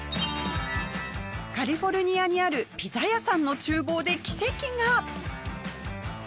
カリフォルニアにあるピザ屋さんの厨房で奇跡が。